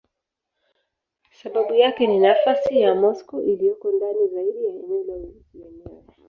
Sababu yake ni nafasi ya Moscow iliyoko ndani zaidi ya eneo la Urusi yenyewe.